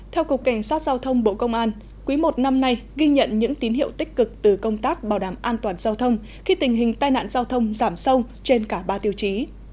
theo cục cảnh sát giao thông bộ công an quý i năm nay ghi nhận những tín hiệu tích cực từ công tác bảo đảm an toàn giao thông khi tình hình tai nạn giao thông giảm sâu trên cả ba tiêu chí